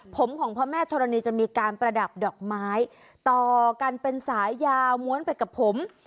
ผมของพระแม่ธรณีจะมีการประดับดอกไม้ต่อกันเป็นสายยาวม้วนไปกับผม